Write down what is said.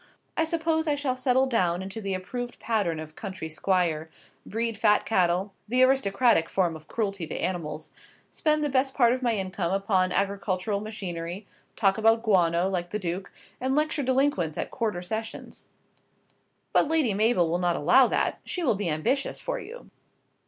I suppose I shall settle down into the approved pattern of country squire: breed fat cattle the aristocratic form of cruelty to animals spend the best part of my income upon agricultural machinery, talk about guano, like the Duke, and lecture delinquents at quarter sessions." "But Lady Mabel will not allow that. She will be ambitious for you."